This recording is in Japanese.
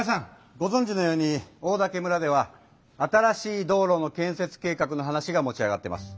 ごぞんじのようにオオダケ村では新しい道路の建設計画の話が持ち上がってます。